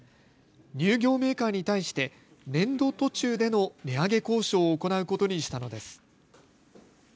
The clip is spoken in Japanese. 乳業メーカーに対して年度途中での値上げ交渉を行うことにしたのです。